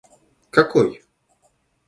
какой